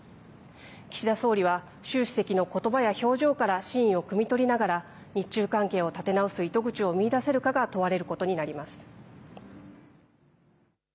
岸田総理は習主席のことばや表情から真意をくみ取りながら日中関係を立て直す糸口を見いだせるかが問われることになります。